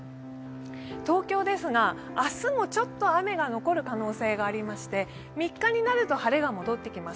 東京ですが、明日もちょっと雨が残る可能性がありまして３日になると晴れが戻ってきます。